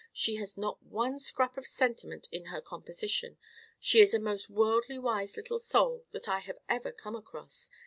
She has not one scrap of sentiment in her composition; she is the most worldly wise little soul that I have ever come across.